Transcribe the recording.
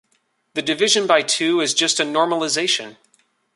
The division by two is just a normalization.